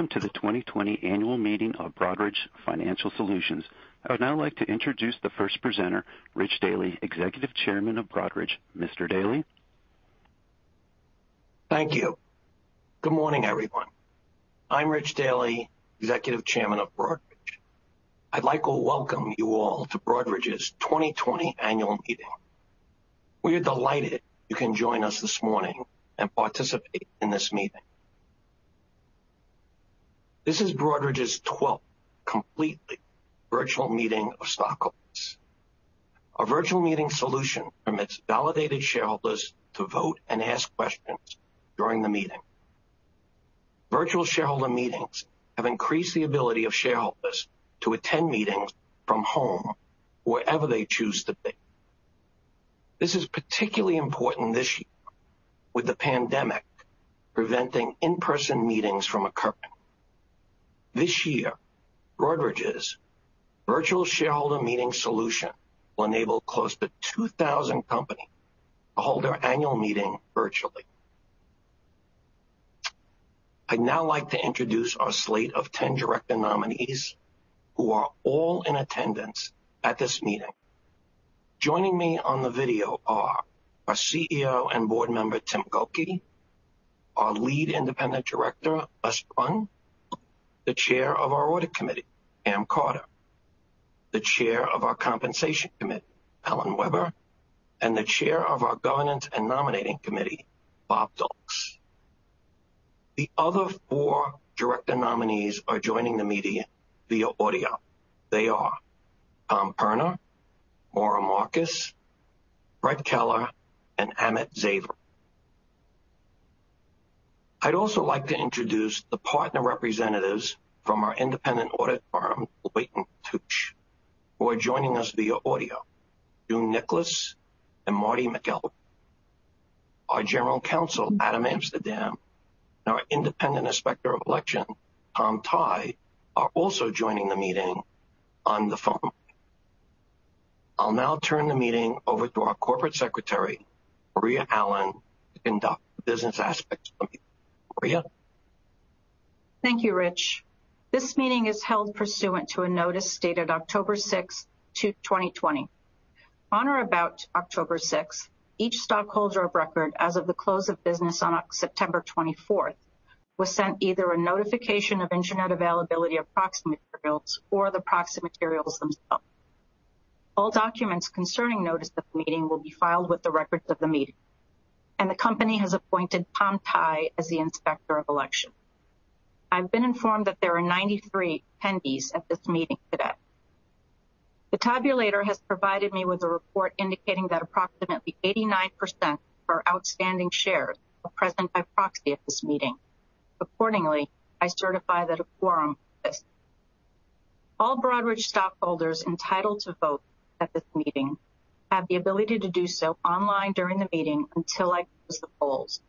Welcome to the 2020 Annual Meeting of Broadridge Financial Solutions. I would now like to introduce the first presenter, Rich Daly, Executive Chairman of Broadridge. Mr. Daly? Thank you. Good morning, everyone. I'm Rich Daly, Executive Chairman of Broadridge. I'd like to welcome you all to Broadridge's 2020 Annual Meeting. We are delighted you can join us this morning and participate in this meeting. This is Broadridge's 12th completely virtual meeting of stockholders. Our virtual meeting solution permits validated shareholders to vote and ask questions during the meeting. Virtual shareholder meetings have increased the ability of shareholders to attend meetings from home or wherever they choose to be. This is particularly important this year with the pandemic preventing in-person meetings from occurring. This year, Broadridge's virtual shareholder meeting solution will enable close to 2,000 company to hold their annual meeting virtually. I'd now like to introduce our slate of 10 director nominees who are all in attendance at this meeting. Joining me on the video are our CEO and board member, Tim Gokey, our lead independent director, Les Brun, the Chair of our Audit Committee, Pam Carter, the Chair of our Compensation Committee, Alan Weber, and the Chair of our Governance and Nominating Committee, Bob Duelks. The other four director nominees are joining the meeting via audio. They are Tom Perna, Maura Markus, Brett Keller, and Amit Zavery. I'd also like to introduce the partner representatives from our independent audit firm, Deloitte & Touche, who are joining us via audio, June Nicholas and Marty McElwain. Our general counsel, Adam Amsterdam, and our independent Inspector of Election, Tom Tai, are also joining the meeting on the phone. I'll now turn the meeting over to our corporate secretary, Maria Allen, to conduct the business aspects of the meeting. Maria? Thank you, Rich. This meeting is held pursuant to a notice dated October 6th, 2020. On or about October 6th, each stockholder of record as of the close of business on September 24th was sent either a notification of internet availability of proxy materials or the proxy materials themselves. All documents concerning notice of the meeting will be filed with the records of the meeting, and the company has appointed Tom Tai as the Inspector of Election. I've been informed that there are 93 attendees at this meeting today. The tabulator has provided me with a report indicating that approximately 89% of our outstanding shares are present by proxy at this meeting. Accordingly, I certify that a quorum exists. All Broadridge stockholders entitled to vote at this meeting have the ability to do so online during the meeting until I close the polls.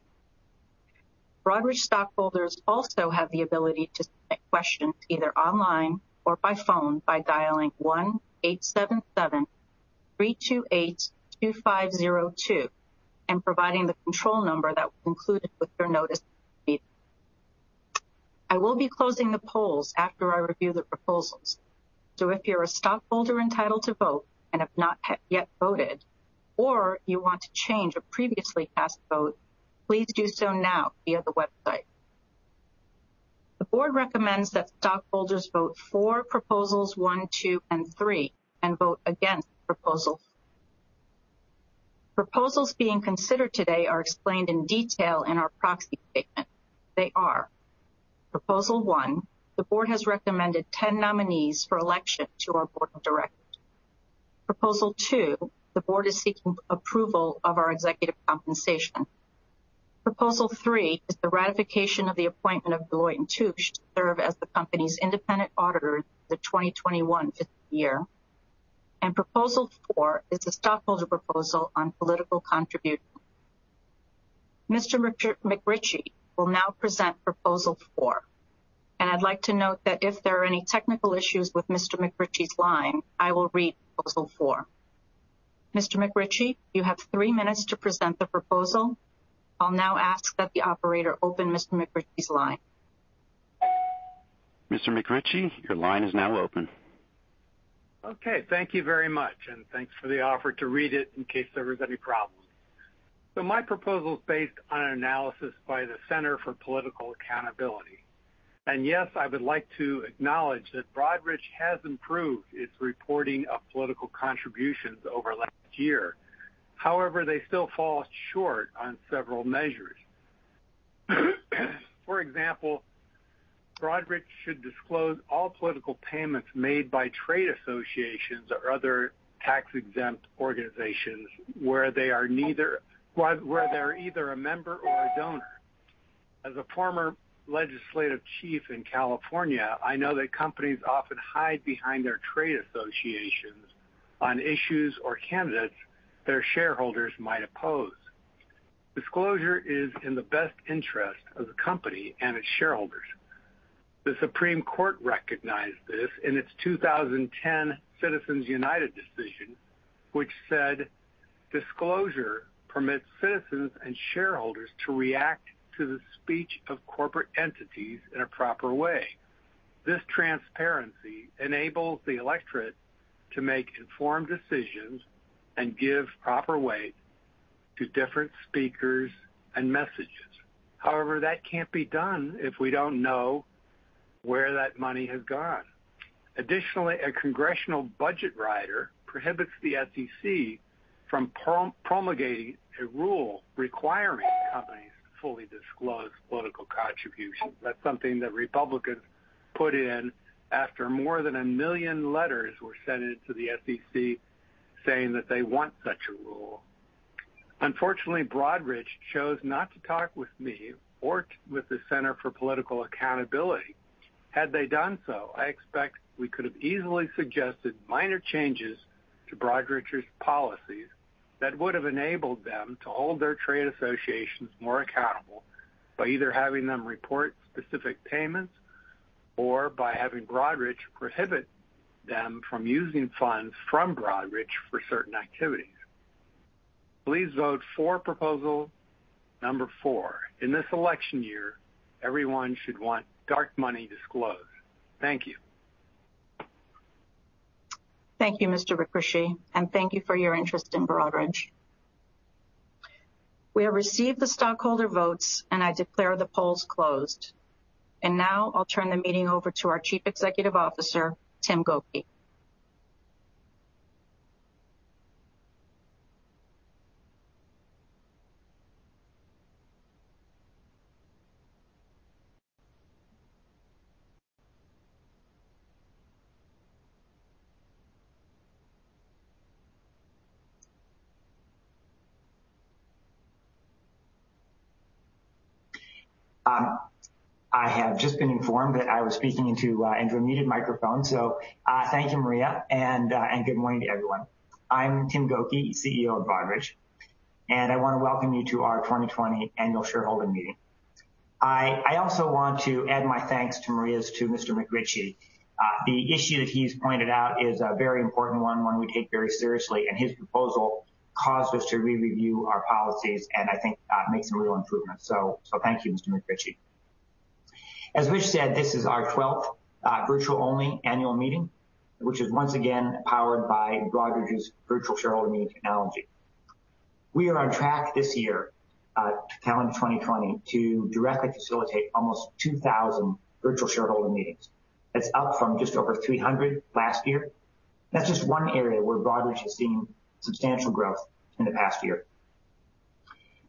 Broadridge stockholders also have the ability to submit questions either online or by phone by dialing 1-877-328-2502 and providing the control number that was included with your meeting notice. I will be closing the polls after I review the proposals. If you're a stockholder entitled to vote and have not yet voted, or you want to change a previously cast vote, please do so now via the website. The board recommends that stockholders vote for Proposals one, two, and three, and vote against Proposal four. Proposals being considered today are explained in detail in our proxy statement. They are Proposal one, the board has recommended 10 nominees for election to our board of directors. Proposal two, the board is seeking approval of our executive compensation. Proposal three is the ratification of the appointment of Deloitte & Touche to serve as the company's independent auditor for the 2021 fiscal year. Proposal four is a stockholder proposal on political contributions. Mr. James McRitchie will now present Proposal four. I'd like to note that if there are any technical issues with Mr. McRitchie's line, I will read Proposal four. Mr. McRitchie, you have three minutes to present the proposal. I'll now ask that the operator open Mr. McRitchie's line. Mr. McRitchie, your line is now open. Thank you very much, and thanks for the offer to read it in case there is any problems. My proposal is based on an analysis by the Center for Political Accountability. Yes, I would like to acknowledge that Broadridge has improved its reporting of political contributions over last year. However, they still fall short on several measures. For example, Broadridge should disclose all political payments made by trade associations or other tax-exempt organizations where they're either a member or a donor. As a former legislative chief in California, I know that companies often hide behind their trade associations on issues or candidates their shareholders might oppose. Disclosure is in the best interest of the company and its shareholders. The Supreme Court recognized this in its 2010 Citizens United decision, which said: Disclosure permits citizens and shareholders to react to the speech of corporate entities in a proper way. This transparency enables the electorate to make informed decisions and give proper weight to different speakers and messages. However, that can't be done if we don't know where that money has gone. A congressional budget rider prohibits the SEC from promulgating a rule requiring companies to fully disclose political contributions. That's something that Republicans put in after more than a million letters were sent into the SEC saying that they want such a rule. Unfortunately, Broadridge chose not to talk with me or with the Center for Political Accountability. Had they done so, I expect we could have easily suggested minor changes to Broadridge's policies that would have enabled them to hold their trade associations more accountable by either having them report specific payments or by having Broadridge prohibit them from using funds from Broadridge for certain activities. Please vote for proposal number four. In this election year, everyone should want dark money disclosed. Thank you. Thank you, Mr. McRitchie, thank you for your interest in Broadridge. We have received the stockholder votes, I declare the polls closed. Now I'll turn the meeting over to our Chief Executive Officer, Tim Gokey. I have just been informed that I was speaking into a muted microphone. Thank you, Maria, and good morning to everyone. I'm Tim Gokey, CEO of Broadridge, and I want to welcome you to our 2020 annual shareholder meeting. I also want to add my thanks to Maria's to Mr. McRitchie. The issue that he's pointed out is a very important one we take very seriously, and his proposal caused us to re-review our policies, and I think make some real improvements. Thank you, Mr. McRitchie. As Rich said, this is our 12th virtual-only annual meeting, which is once again powered by Broadridge's virtual shareholder meeting technology. We are on track this year, calendar 2020, to directly facilitate almost 2,000 virtual shareholder meetings. That's up from just over 300 last year. That's just one area where Broadridge has seen substantial growth in the past year.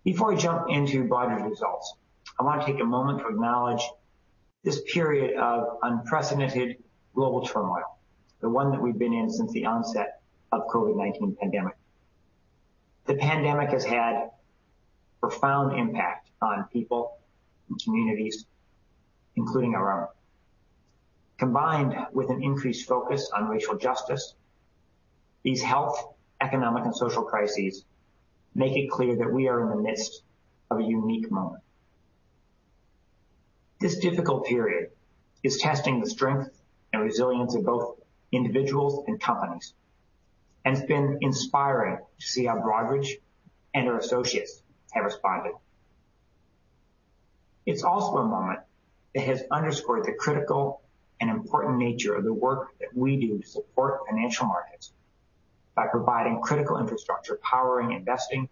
Before I jump into Broadridge results, I want to take a moment to acknowledge this period of unprecedented global turmoil, the one that we've been in since the onset of COVID-19 pandemic. The pandemic has had a profound impact on people and communities, including our own. Combined with an increased focus on racial justice, these health, economic, and social crises make it clear that we are in the midst of a unique moment. This difficult period is testing the strength and resilience of both individuals and companies, and it's been inspiring to see how Broadridge and our associates have responded. It's also a moment that has underscored the critical and important nature of the work that we do to support financial markets by providing critical infrastructure, powering investing,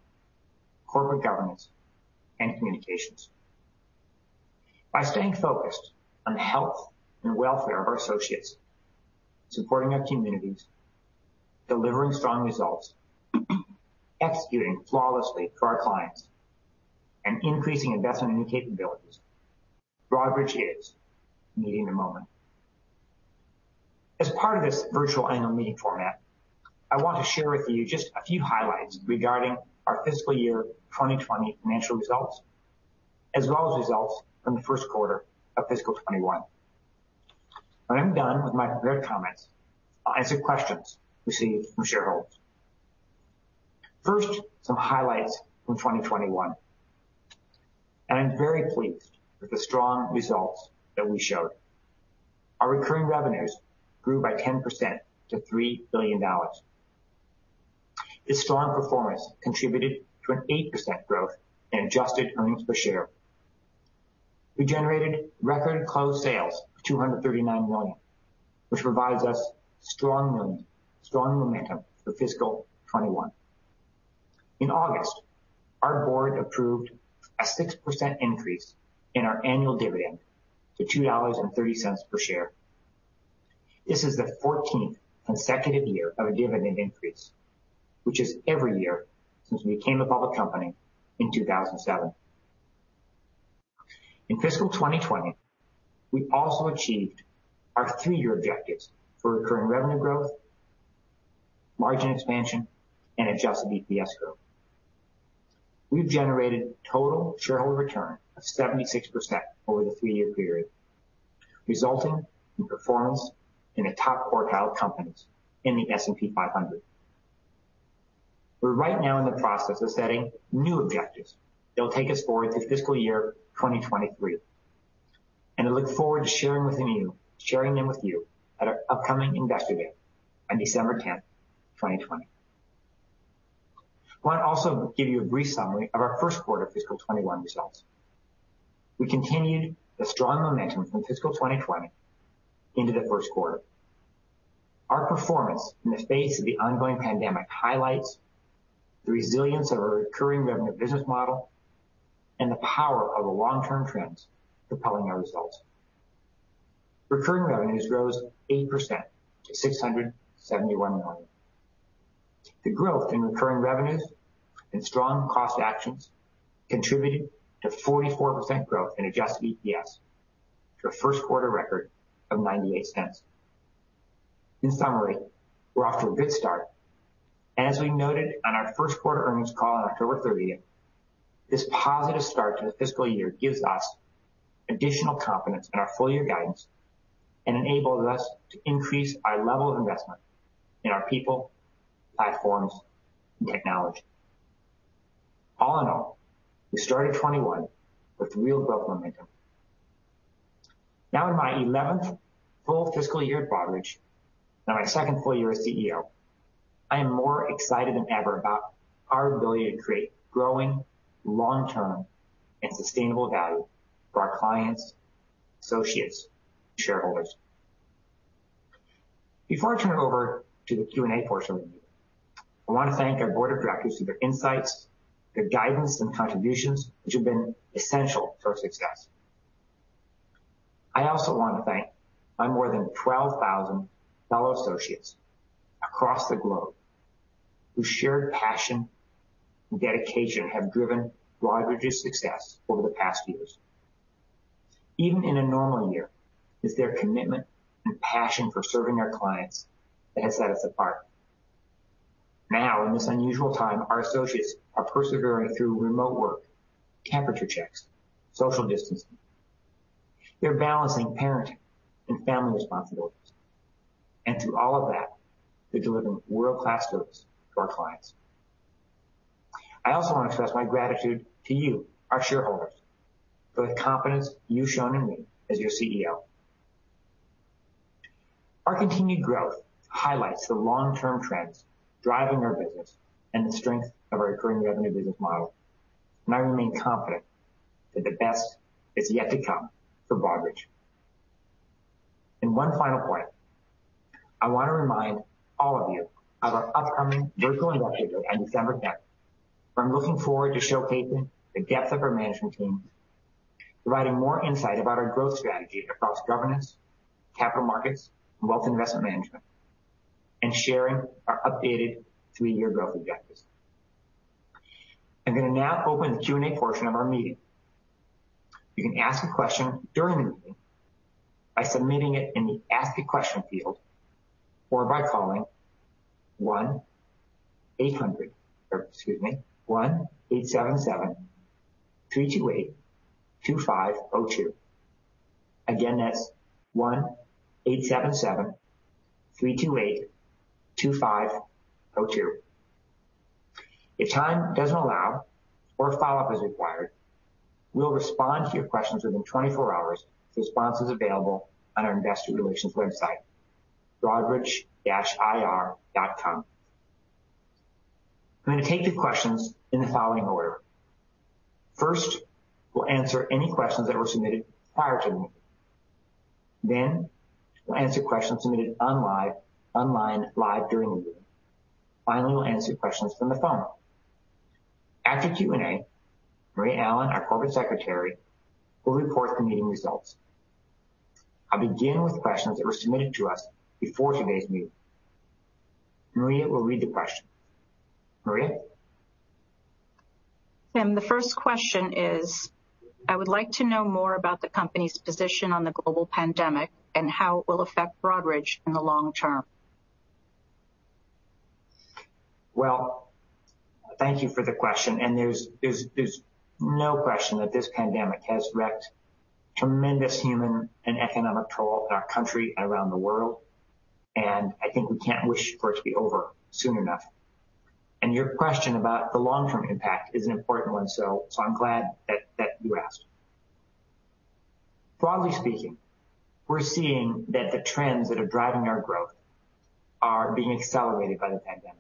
corporate governance, and communications. By staying focused on the health and welfare of our associates, supporting our communities, delivering strong results, executing flawlessly for our clients, and increasing investment in new capabilities, Broadridge is meeting the moment. As part of this virtual annual meeting format, I want to share with you just a few highlights regarding our fiscal year 2020 financial results, as well as results from the first quarter of fiscal 2021. When I'm done with my prepared comments, I'll answer questions received from shareholders. First, some highlights from 2021. I'm very pleased with the strong results that we showed. Our recurring revenues grew by 10% to $3 billion. This strong performance contributed to an 8% growth in adjusted earnings per share. We generated record closed sales of $239 million, which provides us strong momentum for fiscal 2021. In August, our board approved a 6% increase in our annual dividend to $2.30 per share. This is the 14th consecutive year of a dividend increase, which is every year since we became a public company in 2007. In fiscal 2020, we also achieved our three-year objectives for recurring revenue growth, margin expansion, and adjusted EPS growth. We've generated total shareholder return of 76% over the three-year period, resulting in performance in the top quartile of companies in the S&P 500. We're right now in the process of setting new objectives that'll take us forward through fiscal year 2023. I look forward to sharing them with you at our upcoming Investor Day on December 10th, 2020. I want to also give you a brief summary of our first quarter fiscal 2021 results. We continued the strong momentum from fiscal 2020 into the first quarter. Our performance in the face of the ongoing pandemic highlights the resilience of our recurring revenue business model, and the power of the long-term trends propelling our results. Recurring revenues rose 8% to $671 million. The growth in recurring revenues and strong cost actions contributed to 44% growth in adjusted EPS to a first quarter record of $0.98. In summary, we're off to a good start. As we noted on our first quarter earnings call on October 30th, this positive start to the fiscal year gives us additional confidence in our full-year guidance and enables us to increase our level of investment in our people, platforms, and technology. All in all, we started 2021 with real growth momentum. Now in my 11th full fiscal year at Broadridge, and my second full year as CEO, I am more excited than ever about our ability to create growing, long-term, and sustainable value for our clients, associates, and shareholders. Before I turn it over to the Q&A portion of the meeting, I want to thank our board of directors for their insights, their guidance, and contributions, which have been essential to our success. I also want to thank my more than 12,000 fellow associates across the globe, whose shared passion and dedication have driven Broadridge's success over the past years. Even in a normal year, it's their commitment and passion for serving our clients that has set us apart. Now, in this unusual time, our associates are persevering through remote work, temperature checks, social distancing. They're balancing parenting and family responsibilities. Through all of that, they're delivering world-class service to our clients. I also want to express my gratitude to you, our shareholders, for the confidence you've shown in me as your CEO. Our continued growth highlights the long-term trends driving our business and the strength of our recurring revenue business model. I remain confident that the best is yet to come for Broadridge. One final point, I want to remind all of you of our upcoming virtual Investor Day on December 10th, where I'm looking forward to showcasing the depth of our management team, providing more insight about our growth strategy across governance, capital markets, and wealth investment management, and sharing our updated three-year growth objectives. I'm going to now open the Q&A portion of our meeting. You can ask a question during the meeting by submitting it in the Ask a Question field or by calling 1-800 or excuse me, 1-877-328-2502. Again, that's 1-877-328-2502. If time doesn't allow or a follow-up is required, we will respond to your questions within 24 hours with responses available on our investor relations website, broadridge-ir.com. I'm going to take the questions in the following order. First, we'll answer any questions that were submitted prior to the meeting. Then, we'll answer questions submitted online live during the meeting. Finally, we'll answer questions from the phone. After Q&A, Maria Allen, our Corporate Secretary, will report the meeting results. I'll begin with questions that were submitted to us before today's meeting. Maria will read the question. Maria? Tim, the first question is, I would like to know more about the company's position on the global pandemic and how it will affect Broadridge in the long term. Well, thank you for the question. There's no question that this pandemic has wrecked tremendous human and economic toll in our country and around the world. I think we can't wish for it to be over soon enough. Your question about the long-term impact is an important one, so I'm glad that you asked. Broadly speaking, we're seeing that the trends that are driving our growth are being accelerated by the pandemic.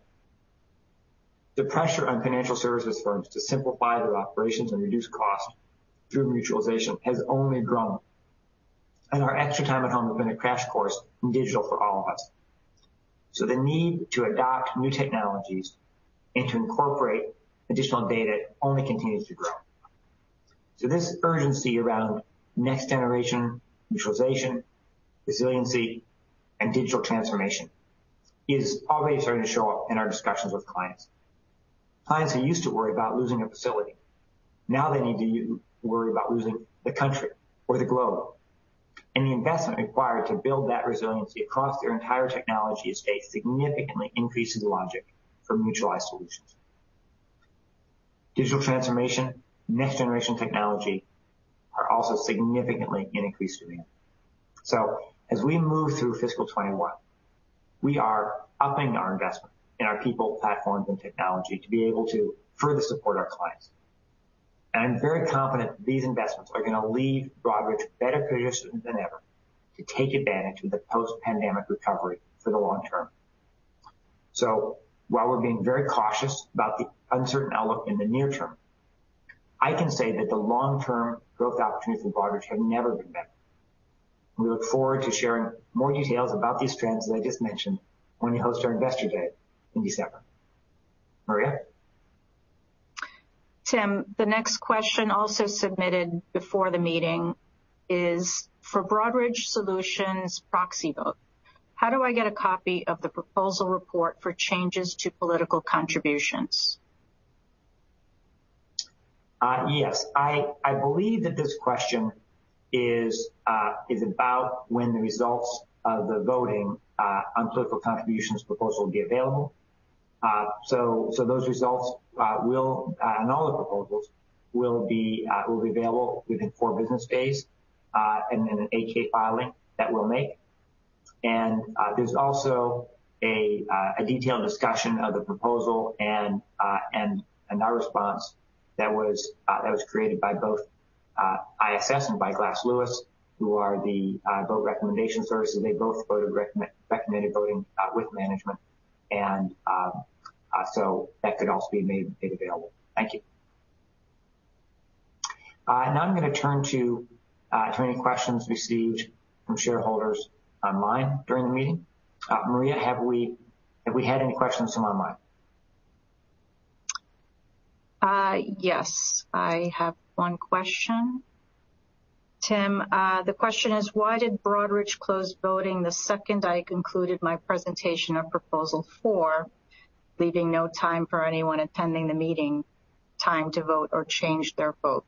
The pressure on financial services firms to simplify their operations and reduce cost through mutualization has only grown. Our extra time at home has been a crash course in digital for all of us. The need to adopt new technologies and to incorporate additional data only continues to grow. This urgency around next-generation mutualization, resiliency, and digital transformation is already starting to show up in our discussions with clients. Clients who used to worry about losing a facility, now they need to worry about losing the country or the globe. The investment required to build that resiliency across their entire technology estate significantly increases the logic for mutualized solutions. Digital transformation and next-generation technology are also significantly increased demand. As we move through fiscal 2021, we are upping our investment in our people, platforms, and technology to be able to further support our clients. I'm very confident these investments are going to leave Broadridge better positioned than ever to take advantage of the post-pandemic recovery for the long term. While we're being very cautious about the uncertain outlook in the near term, I can say that the long-term growth opportunities for Broadridge have never been better. We look forward to sharing more details about these trends that I just mentioned when we host our Investor Day in December. Maria? Tim, the next question also submitted before the meeting is, for Broadridge Solutions proxy vote, how do I get a copy of the proposal report for changes to political contributions? Yes. I believe that this question is about when the results of the voting on political contributions proposal will be available. Those results, and all the proposals, will be available within four business days in an 8-K filing that we'll make. There's also a detailed discussion of the proposal and our response that was created by both ISS and by Glass Lewis, who are the vote recommendation services. They both recommended voting with management. That could also be made available. Thank you. Now I'm going to turn to any questions received from shareholders online during the meeting. Maria, have we had any questions come online? Yes. I have one question. Tim, the question is, why did Broadridge close voting the second I concluded my presentation of proposal four, leaving no time for anyone attending the meeting time to vote or change their vote?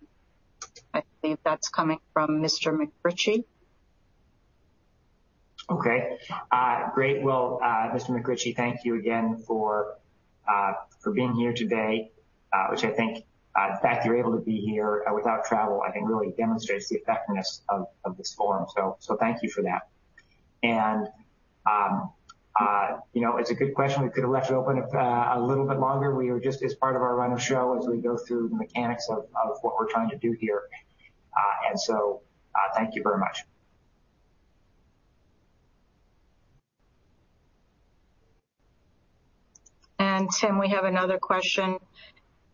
I believe that's coming from Mr. McRitchie. Okay. Great. Well, Mr. McRitchie, thank you again for being here today, which I think the fact you're able to be here without travel, I think, really demonstrates the effectiveness of this forum. Thank you for that. It's a good question. We could have left it open a little bit longer. We were just as part of our run of show as we go through the mechanics of what we're trying to do here. Thank you very much. Tim, we have another question.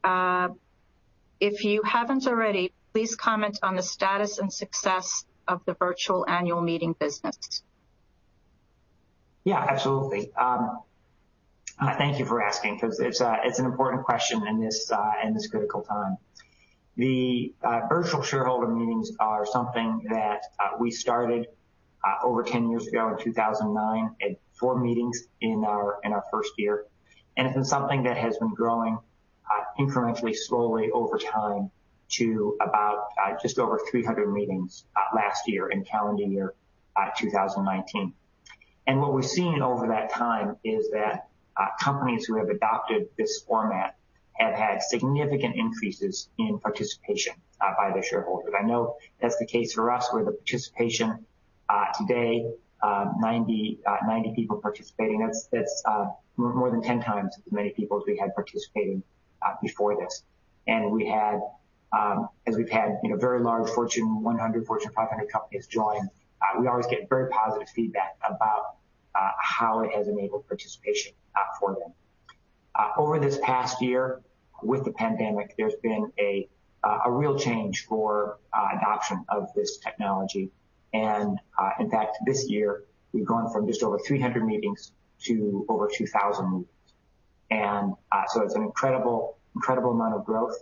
If you haven't already, please comment on the status and success of the virtual annual meeting business. Yeah, absolutely. Thank you for asking because it's an important question in this critical time. The virtual shareholder meetings are something that we started over 10 years ago in 2009 and had four meetings in our first year. It's been something that has been growing incrementally, slowly over time to about just over 300 meetings last year in calendar year 2019. What we've seen over that time is that companies who have adopted this format have had significant increases in participation by their shareholders. I know that's the case for us, where the participation today, 90 people participating, that's more than 10 times as many people as we had participating before this. As we've had very large Fortune 100, Fortune 500 companies join, we always get very positive feedback about how it has enabled participation for them. Over this past year with the pandemic, there's been a real change for adoption of this technology. In fact, this year, we've gone from just over 300 meetings to over 2,000 meetings. It's an incredible amount of growth.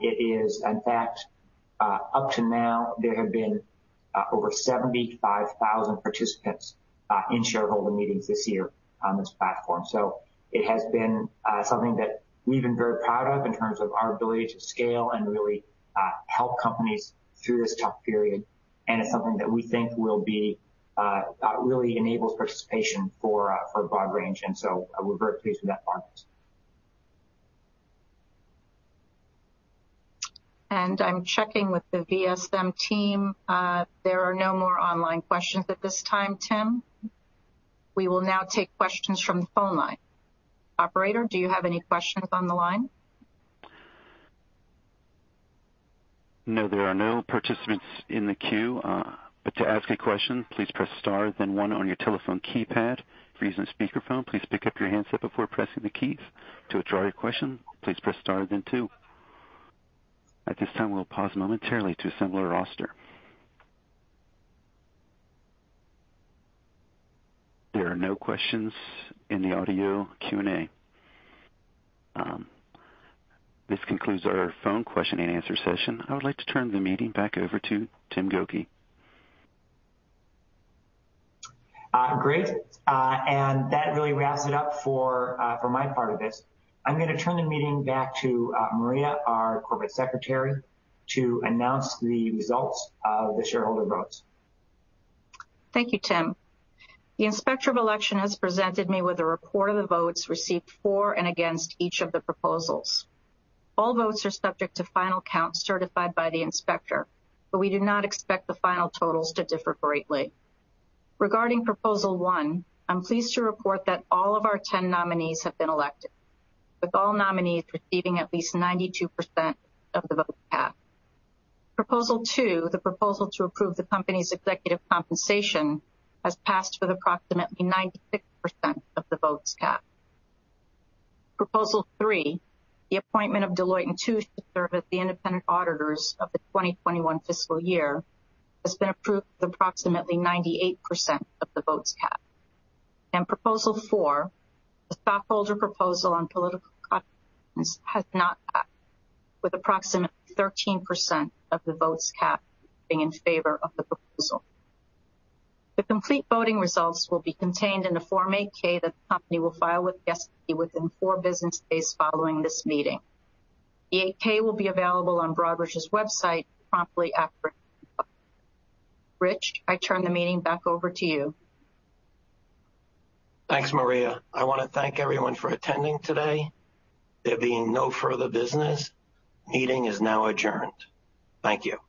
It is, in fact, up to now, there have been over 75,000 participants in shareholder meetings this year on this platform. It has been something that we've been very proud of in terms of our ability to scale and really help companies through this tough period. It's something that we think really enables participation for a broad range, and so we're very pleased with that progress. I'm checking with the VSM team. There are no more online questions at this time, Tim. We will now take questions from the phone line. Operator, do you have any questions on the line? No, there are no participants in the queue. To ask a question, please press star one on your telephone keypad. If you're using a speakerphone, please pick up your handset before pressing the keys. To withdraw your question, please press star then two. At this time, we'll pause momentarily to assemble our roster. There are no questions in the audio Q&A. This concludes our phone question and answer session. I would like to turn the meeting back over to Tim Gokey. Great. That really wraps it up for my part of this. I'm going to turn the meeting back to Maria, our Corporate Secretary, to announce the results of the shareholder votes. Thank you, Tim. The Inspector of Election has presented me with a report of the votes received for and against each of the proposals. All votes are subject to final count certified by the inspector, we do not expect the final totals to differ greatly. Regarding proposal one, I'm pleased to report that all of our 10 nominees have been elected, with all nominees receiving at least 92% of the votes cast. Proposal two, the proposal to approve the company's executive compensation, has passed with approximately 96% of the votes cast. Proposal three, the appointment of Deloitte & Touche to serve as the independent auditors of the 2021 fiscal year, has been approved with approximately 98% of the votes cast. Proposal four, the stockholder proposal on political contributions, has not passed, with approximately 13% of the votes cast being in favor of the proposal. The complete voting results will be contained in the Form 8-K that the company will file with the SEC within four business days following this meeting. The 8-K will be available on Broadridge's website promptly after. Rich, I turn the meeting back over to you. Thanks, Maria. I want to thank everyone for attending today. There being no further business, the meeting is now adjourned. Thank you.